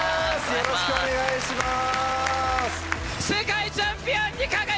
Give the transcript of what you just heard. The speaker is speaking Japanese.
よろしくお願いします。